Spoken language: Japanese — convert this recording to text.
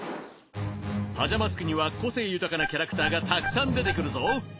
パジャマスクには個性豊かなキャラクターがたくさん出てくるぞ。